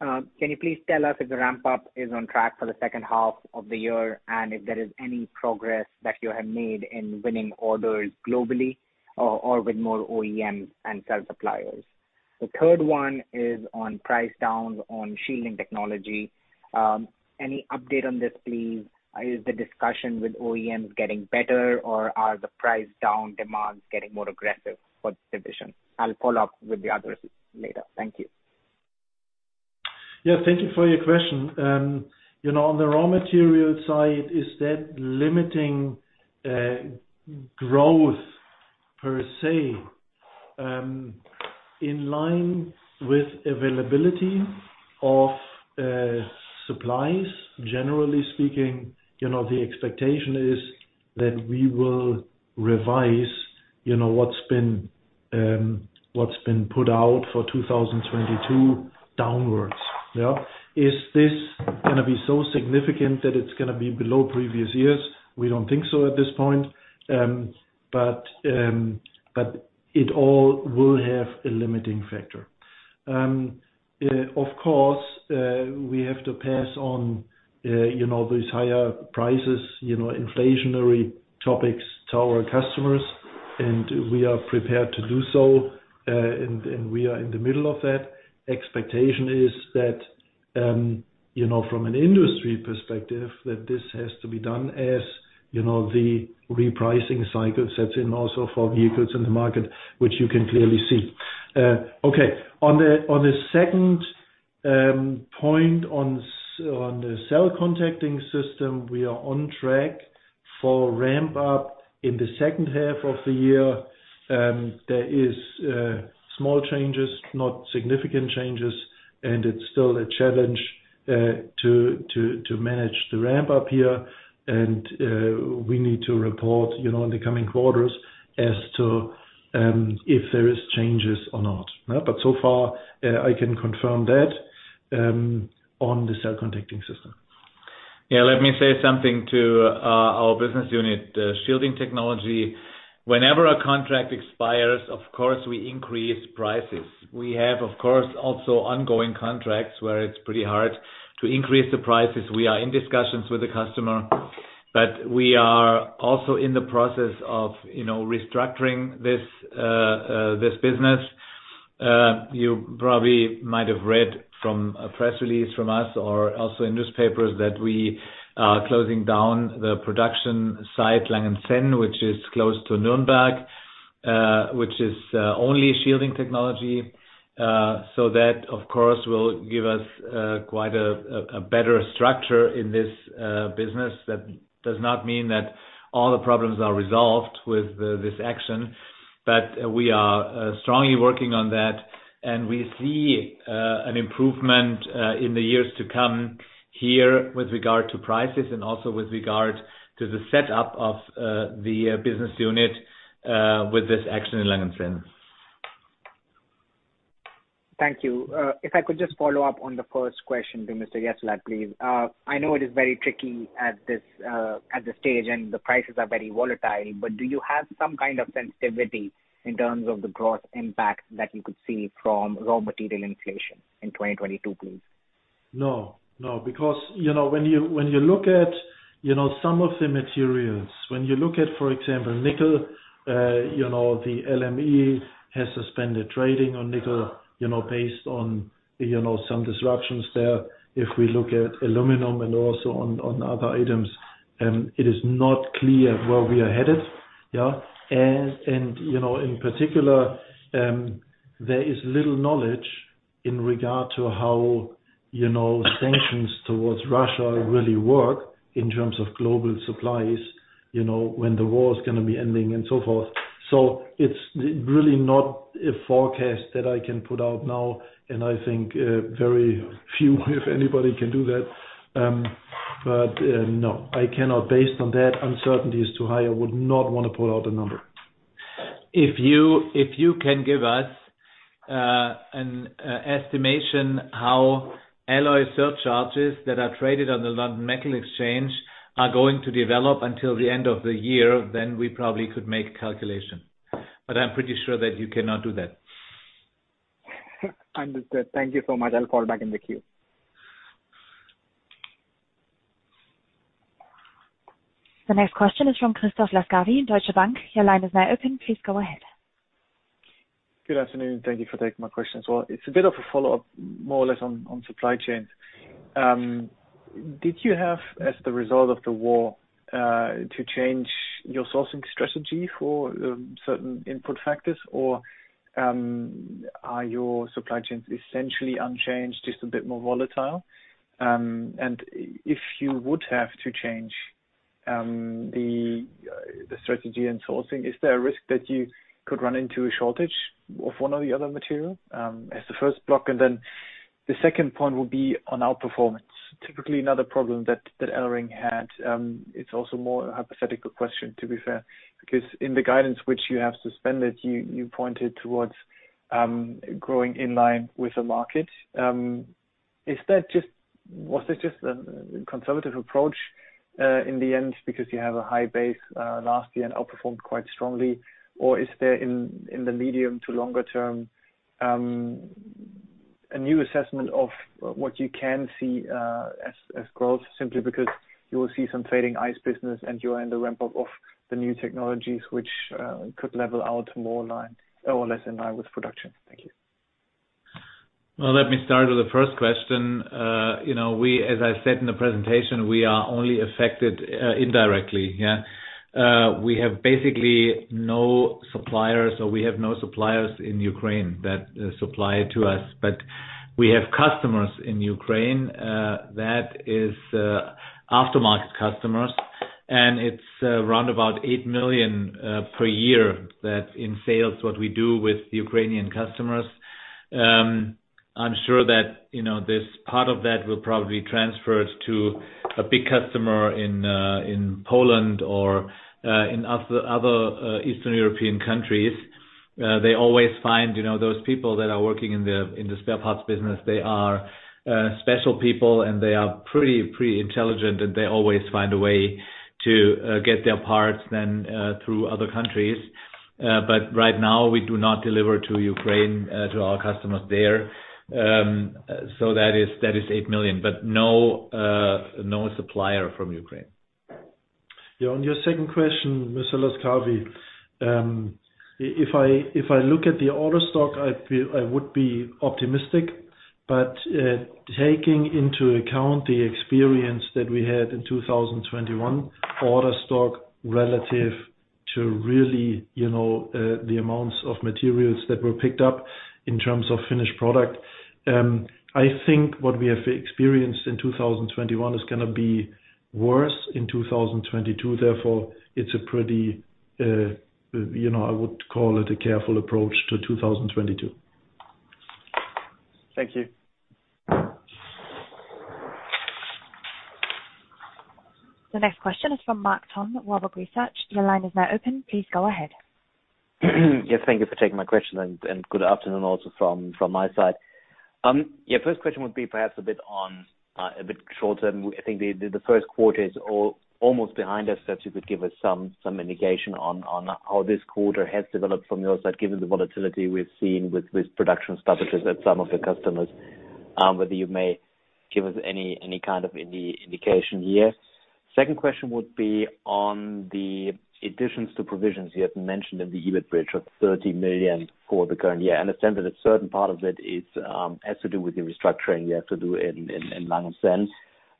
S4: Can you please tell us if the ramp up is on track for the second half of the year and if there is any progress that you have made in winning orders globally or with more OEM and cell suppliers? The third one is on price downs on Shielding Technology. Any update on this, please? Is the discussion with OEMs getting better or are the price down demands getting more aggressive for division? I'll follow up with the others later. Thank you.
S3: Yeah. Thank you for your question. You know, on the raw material side, is that limiting growth per se in line with availability of supplies. Generally speaking, you know, the expectation is that we will revise you know, what's been put out for 2022 downwards. Is this gonna be so significant that it's gonna be below previous years? We don't think so at this point. It all will have a limiting factor. Of course, we have to pass on you know, those higher prices, you know, inflationary topics to our customers, and we are prepared to do so, and we are in the middle of that. Expectation is that, you know, from an industry perspective that this has to be done as, you know, the repricing cycle sets in also for vehicles in the market, which you can clearly see. Okay, on the second point on the cell contacting system, we are on track for ramp up in the second half of the year. There is small changes, not significant changes, and it's still a challenge to manage the ramp up here. We need to report, you know, in the coming quarters as to if there is changes or not. But so far, I can confirm that on the cell contacting system.
S2: Yeah. Let me say something to our business unit, Shielding Technology. Whenever a contract expires, of course, we increase prices. We have, of course, also ongoing contracts where it's pretty hard to increase the prices. We are in discussions with the customer, but we are also in the process of, you know, restructuring this business. You probably might have read from a press release from us or also in newspapers that we are closing down the production site, Langenzenn, which is close to Nuremberg, which is only Shielding Technology. That, of course, will give us quite a better structure in this business. That does not mean that all the problems are resolved with this action. We are strongly working on that, and we see an improvement in the years to come here with regard to prices and also with regard to the setup of the business unit with this action in Langenzenn.
S4: Thank you. If I could just follow up on the first question to Mr. Jessulat, please. I know it is very tricky at this stage, and the prices are very volatile, but do you have some kind of sensitivity in terms of the gross impact that you could see from raw material inflation in 2022, please?
S3: No, because you know when you look at some of the materials, for example, nickel, you know, the LME has suspended trading on nickel, you know, based on some disruptions there. If we look at aluminum and also on other items, it is not clear where we are headed. You know, in particular, there is little knowledge in regard to how you know sanctions towards Russia really work in terms of global supplies, you know, when the war is gonna be ending and so forth. It's really not a forecast that I can put out now, and I think very few, if anybody, can do that. No, I cannot based on that. Uncertainty is too high. I would not wanna pull out a number.
S2: If you can give us an estimation how alloy surcharges that are traded on the London Metal Exchange are going to develop until the end of the year, then we probably could make a calculation. But I'm pretty sure that you cannot do that.
S4: Understood. Thank you so much. I'll fall back in the queue.
S1: The next question is from Christoph Laskawi in Deutsche Bank. Your line is now open. Please go ahead.
S5: Good afternoon. Thank you for taking my question as well. It's a bit of a follow-up more or less on supply chains. Did you have, as the result of the war, to change your sourcing strategy for certain input factors? Or are your supply chains essentially unchanged, just a bit more volatile? If you would have to change the strategy in sourcing, is there a risk that you could run into a shortage of one or the other material? As the first block, and then the second point will be on outperformance. Typically, another problem that Elring had, it's also more a hypothetical question, to be fair, because in the guidance which you have suspended, you pointed towards growing in line with the market. Is that just? Was that just a conservative approach, in the end because you have a high base last year and outperformed quite strongly? Or is there in the medium to longer term, a new assessment of what you can see, as growth simply because you will see some fading ICE business and you are in the ramp-up of the new technologies which could level out more in line or less in line with production? Thank you.
S2: Well, let me start with the first question. You know, we, as I said in the presentation, we are only affected indirectly. We have basically no suppliers, or we have no suppliers in Ukraine that supply to us. We have customers in Ukraine, that is, aftermarket customers. It's around about €8 million per year that in sales what we do with the Ukrainian customers. I'm sure that, you know, this part of that will probably transfer to a big customer in Poland or in other Eastern European countries. They always find, you know, those people that are working in the spare parts business, they are special people and they are pretty intelligent, and they always find a way to get their parts then through other countries. Right now we do not deliver to Ukraine, to our customers there. That is €8 million, but no supplier from Ukraine.
S3: Yeah, on your second question, Mr. Laskawi, if I look at the order stock, I feel I would be optimistic. Taking into account the experience that we had in 2021, order stock relative to really, you know, the amounts of materials that were picked up in terms of finished product, I think what we have experienced in 2021 is gonna be worse in 2022. Therefore, it's a pretty, you know, I would call it a careful approach to 2022.
S5: Thank you.
S1: The next question is from Marc-René Tonn, Warburg Research. Your line is now open. Please go ahead.
S6: Yes, thank you for taking my question and good afternoon also from my side. Yeah, first question would be perhaps a bit on a bit short term. I think the first quarter is almost behind us, so if you could give us some indication on how this quarter has developed from your side, given the volatility we've seen with production stoppages at some of your customers, whether you may give us any kind of indication here. Second question would be on the additions to provisions you had mentioned in the EBIT bridge of €30 million for the current year. I understand that a certain part of it has to do with the restructuring you have to do in Langenzenn.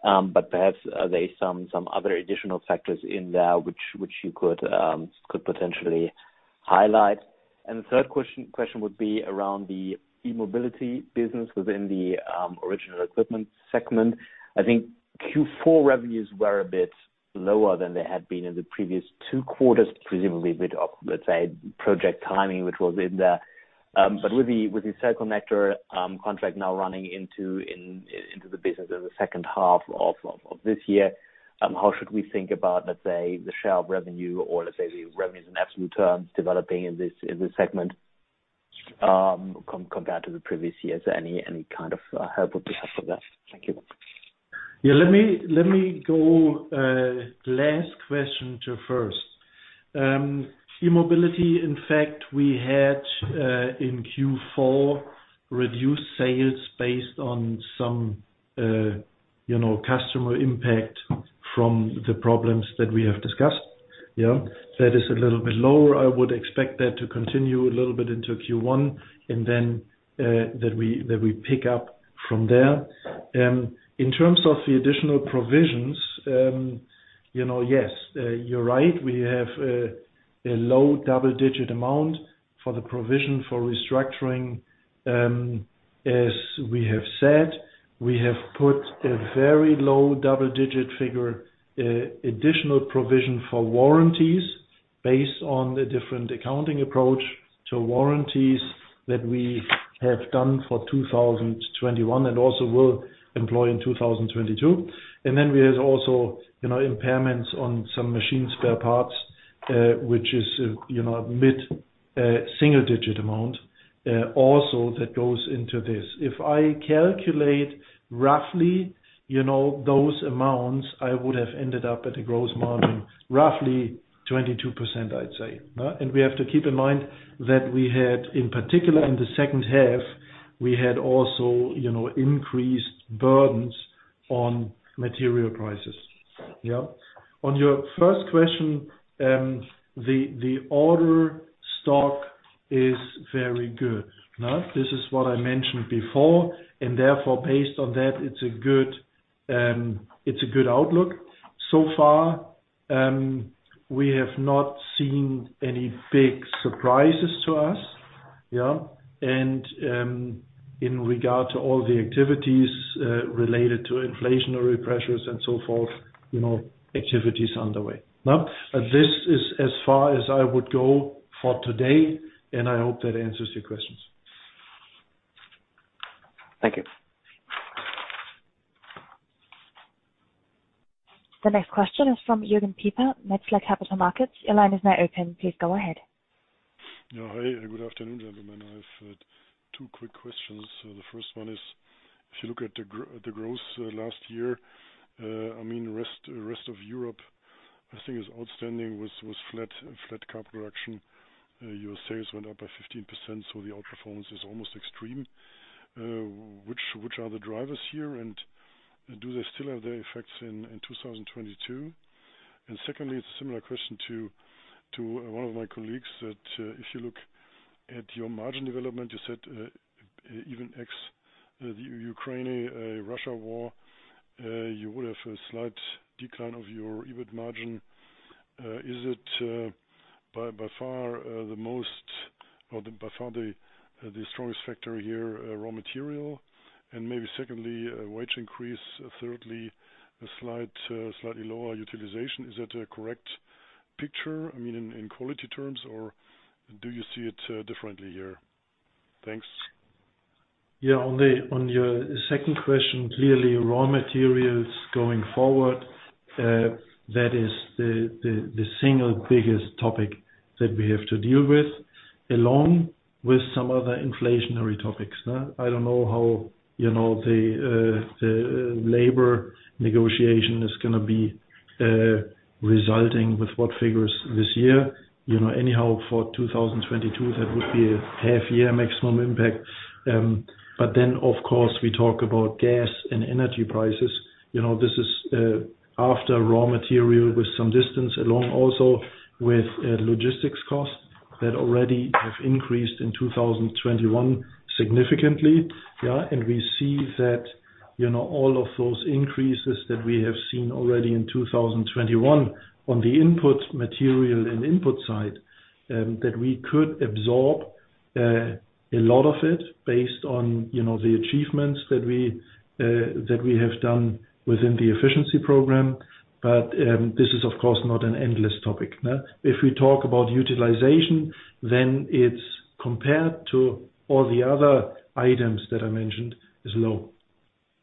S6: Perhaps there are some other additional factors in there which you could potentially highlight? The third question would be around the E-Mobility business within the Original Equipment segment. I think Q4 revenues were a bit lower than they had been in the previous two quarters, presumably a bit of, let's say, project timing, which was in there. With the cell contacting contract now running into the business in the second half of this year, how should we think about, let's say, the share of revenue or let's say the revenues in absolute terms developing in this segment compared to the previous years? Any kind of help would be helpful there. Thank you.
S3: Yeah, let me go last question to first. E-Mobility, in fact, we had in Q4 reduced sales based on some you know customer impact from the problems that we have discussed. Yeah. That is a little bit lower. I would expect that to continue a little bit into Q1 and then that we pick up from there. In terms of the additional provisions, you know, yes, you're right. We have a low double-digit amount for the provision for restructuring. As we have said, we have put a very low double-digit figure additional provision for warranties based on the different accounting approach to warranties that we have done for 2021 and also will employ in 2022. Then we have also, you know, impairments on some machine spare parts, which is, you know, mid single-digit amount, also that goes into this. If I calculate roughly, you know, those amounts, I would have ended up at a gross margin roughly 22%, I'd say. We have to keep in mind that we had, in particular in the second half, also, you know, increased burdens on material prices. On your first question, the order stock is very good. Now, this is what I mentioned before, and therefore based on that, it's a good outlook. So far, we have not seen any big surprises to us. In regard to all the activities related to inflationary pressures and so forth, you know, activity is underway. Now, this is as far as I would go for today, and I hope that answers your questions.
S6: Thank you.
S1: The next question is from Jürgen Pieper, Metzler Capital Markets. Your line is now open. Please go ahead.
S7: Hi, good afternoon, gentlemen. I have two quick questions. The first one is, if you look at the growth last year, I mean rest of Europe, I think was flat. Your sales went up by 15%, so the outperformance is almost extreme. Which are the drivers here, and do they still have their effects in 2022? Secondly, it's a similar question to one of my colleagues that if you look at your margin development, you said even excluding the Ukraine-Russia war you would have a slight decline of your EBIT margin. Is it by far the most or by far the strongest factor here, raw material? Maybe secondly, a wage increase, thirdly, a slight, slightly lower utilization. Is that a correct picture? I mean, in quality terms, or do you see it differently here? Thanks.
S3: Yeah. On your second question, clearly, raw materials going forward, that is the single biggest topic that we have to deal with, along with some other inflationary topics. I don't know how, you know, the labor negotiation is gonna be resulting with what figures this year. You know, anyhow, for 2022, that would be a half year maximum impact. Of course, we talk about gas and energy prices. You know, this is, after raw material with some distance, along also with, logistics costs that already have increased in 2021 significantly. We see that, you know, all of those increases that we have seen already in 2021 on the input material and input side, that we could absorb a lot of it based on, you know, the achievements that we have done within the efficiency program. This is, of course, not an endless topic, yeah. If we talk about utilization, then it's compared to all the other items that I mentioned, is low.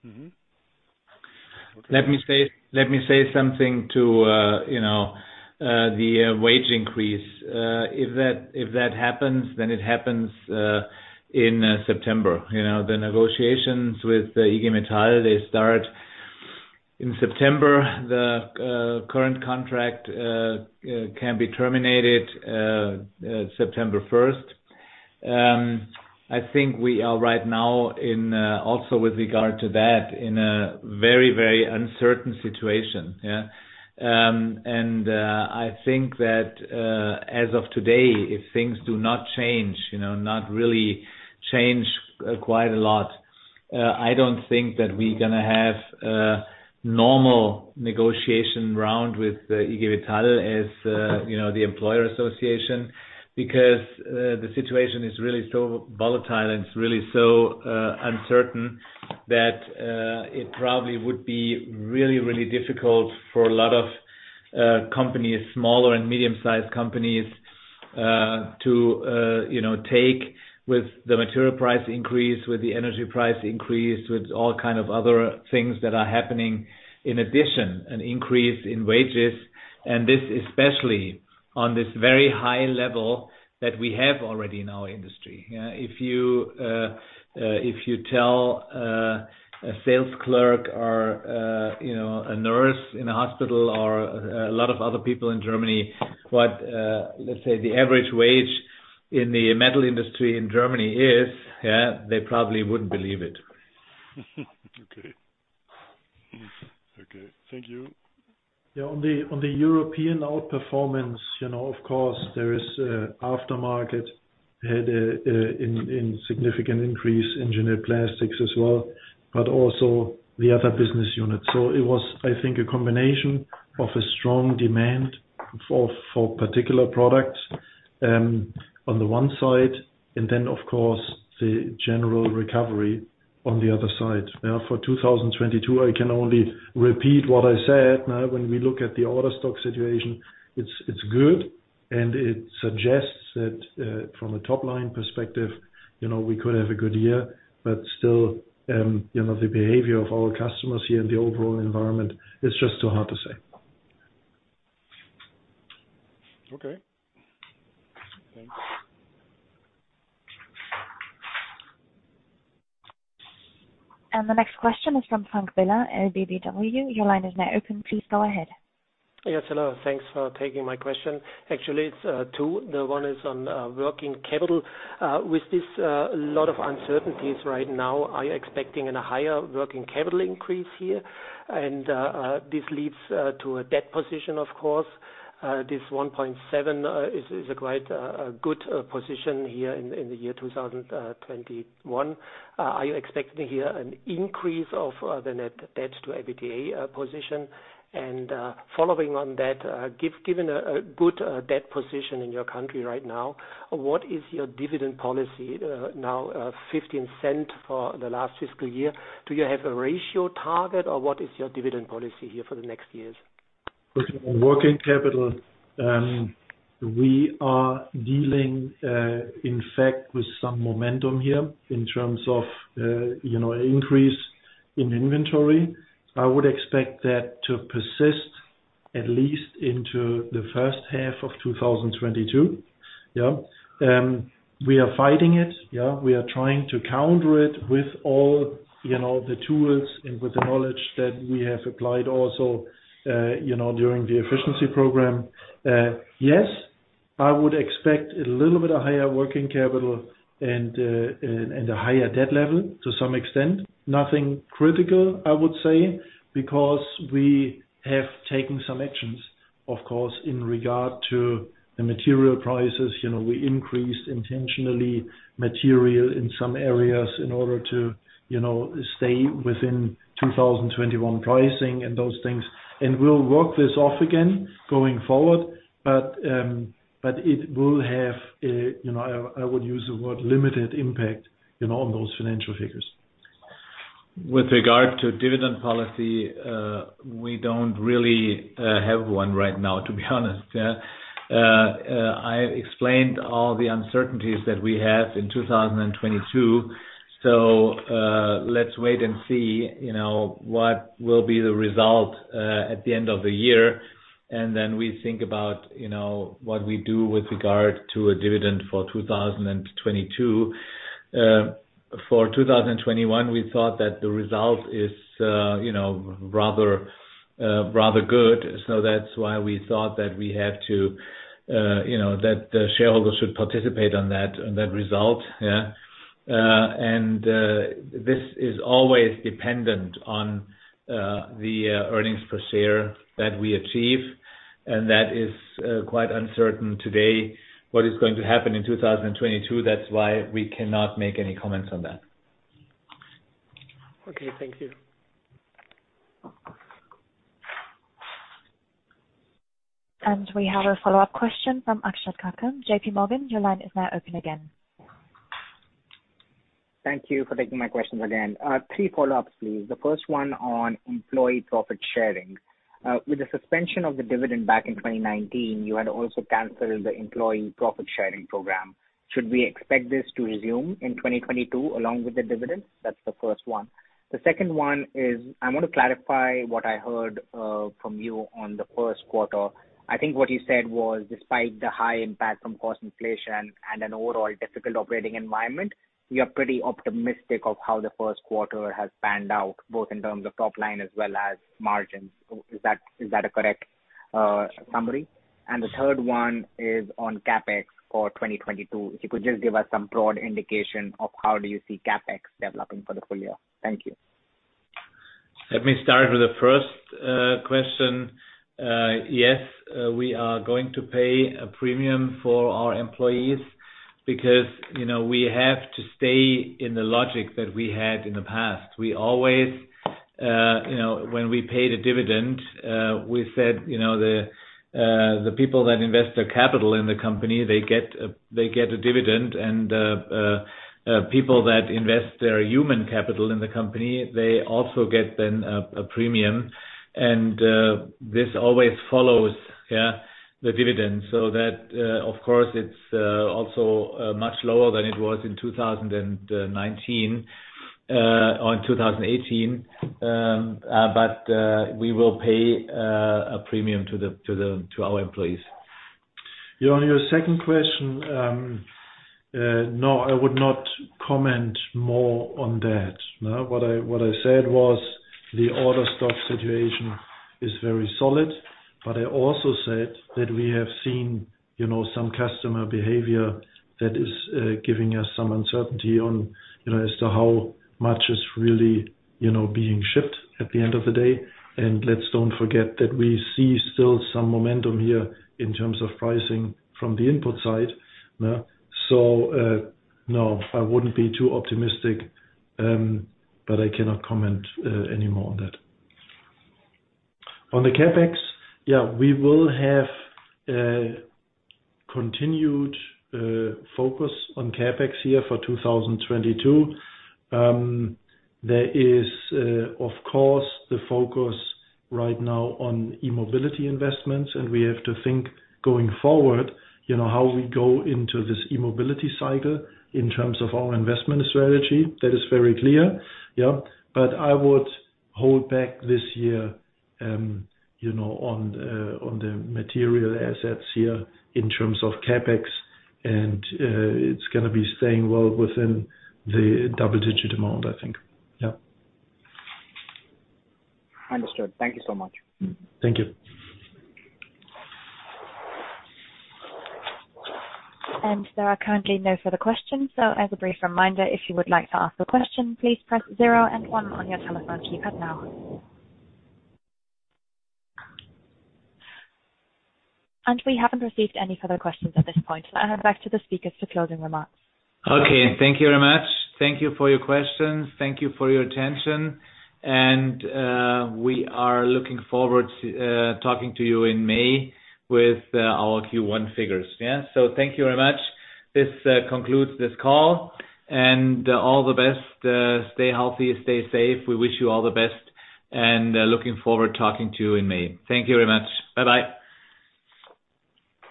S7: Mm-hmm.
S2: Let me say something to you know the wage increase. If that happens, then it happens in September. You know, the negotiations with the IG Metall, they start in September. The current contract can be terminated September first. I think we are right now in also with regard to that, in a very uncertain situation. I think that as of today, if things do not change, you know, not really change quite a lot, I don't think that we're gonna have a normal negotiation round with the IG Metall as you know the employer association. Because the situation is really so volatile and it's really so uncertain that it probably would be really difficult for a lot of companies, smaller and medium-sized companies, to you know take with the material price increase, with the energy price increase, with all kind of other things that are happening in addition, an increase in wages, and this especially on this very high level that we have already in our industry. Yeah, if you tell a sales clerk or you know a nurse in a hospital or a lot of other people in Germany what let's say the average wage in the metal industry in Germany is, yeah, they probably wouldn't believe it.
S7: Okay. Okay. Thank you.
S3: On the European outperformance, you know, of course, there is, aftermarket had a significant increase, Engineered Plastics as well, but also the other business units. It was, I think, a combination of a strong demand for particular products on the one side, and then, of course, the general recovery on the other side. Now, for 2022, I can only repeat what I said. Now, when we look at the order stock situation, it's good, and it suggests that from a top-line perspective, you know, we could have a good year. Still, you know, the behavior of our customers here in the overall environment is just too hard to say.
S7: Okay. Thanks.
S1: The next question is from Frank Biller, LBBW. Your line is now open. Please go ahead.
S8: Yes. Hello. Thanks for taking my question. Actually, it's two. The one is on working capital. With this lot of uncertainties right now, are you expecting a higher working capital increase here? This leads to a debt position, of course. This 1.7 is a quite good position here in the year 2021. Are you expecting here an increase of the net debt to EBITDA position? Following on that, given a good debt position in your company right now, what is your dividend policy, now €0.15 for the last fiscal year? Do you have a ratio target, or what is your dividend policy here for the next years?
S3: Working capital. We are dealing, in fact, with some momentum here in terms of, you know, increase in inventory. I would expect that to persist at least into the first half of 2022. Yeah. We are fighting it, yeah. We are trying to counter it with all, you know, the tools and with the knowledge that we have applied also, you know, during the efficiency program. Yes, I would expect a little bit of higher working capital and a higher debt level to some extent. Nothing critical, I would say, because we have taken some actions, of course, in regard to the material prices. You know, we increased intentionally material in some areas in order to, you know, stay within 2021 pricing and those things. We'll work this off again going forward. It will have a, you know, I would use the word limited impact, you know, on those financial figures.
S2: With regard to dividend policy, we don't really have one right now, to be honest. I explained all the uncertainties that we have in 2022, so let's wait and see, you know, what will be the result at the end of the year, and then we think about, you know, what we do with regard to a dividend for 2022. For 2021, we thought that the result is, you know, rather good, so that's why we thought that we had to, you know, that the shareholders should participate on that result. Yeah. This is always dependent on the earnings per share that we achieve, and that is quite uncertain today. What is going to happen in 2022, that's why we cannot make any comments on that.
S8: Okay, thank you.
S1: We have a follow-up question from Akshat Kacker, J.P. Morgan. Your line is now open again.
S4: Thank you for taking my questions again. Three follow-ups, please. The first one on employee profit sharing. With the suspension of the dividend back in 2019, you had also canceled the employee profit sharing program. Should we expect this to resume in 2022 along with the dividend? That's the first one. The second one is I want to clarify what I heard from you on the first quarter. I think what you said was despite the high impact from cost inflation and an overall difficult operating environment, you are pretty optimistic of how the first quarter has panned out, both in terms of top line as well as margins. Is that a correct summary? The third one is on CapEx for 2022. If you could just give us some broad indication of how do you see CapEx developing for the full year? Thank you.
S2: Let me start with the first question. Yes, we are going to pay a premium for our employees because, you know, we have to stay in the logic that we had in the past. We always, you know, when we paid a dividend, we said, you know, the people that invest their capital in the company, they get a dividend. People that invest their human capital in the company, they also get then a premium. This always follows the dividend. That, of course, it's also much lower than it was in 2019 or in 2018. We will pay a premium to our employees.
S3: John, your second question. No, I would not comment more on that. No. What I said was the order stock situation is very solid, but I also said that we have seen, you know, some customer behavior that is giving us some uncertainty on, you know, as to how much is really, you know, being shipped at the end of the day. Let's don't forget that we see still some momentum here in terms of pricing from the input side. No. No, I wouldn't be too optimistic, but I cannot comment any more on that. On the CapEx, yeah, we will have a continued focus on CapEx here for 2022. There is, of course, the focus right now on E-Mobility investments, and we have to think going forward, you know, how we go into this E-Mobility cycle in terms of our investment strategy. That is very clear. Yeah. I would hold back this year, you know, on the material assets here in terms of CapEx and, it's gonna be staying well within the double digit amount, I think. Yeah.
S4: Understood. Thank you so much.
S3: Thank you.
S1: There are currently no further questions. As a brief reminder, if you would like to ask a question, please press 0 and 1 on your telephone keypad now. We haven't received any further questions at this point. I hand back to the speakers for closing remarks.
S2: Okay. Thank you very much. Thank you for your questions. Thank you for your attention. We are looking forward to talking to you in May with our Q1 figures. Yeah. Thank you very much. This concludes this call. All the best. Stay healthy, stay safe. We wish you all the best and looking forward talking to you in May. Thank you very much. Bye-bye.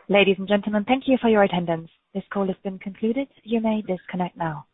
S1: Ladies and gentlemen, thank you for your attendance. This call has been concluded. You may disconnect now.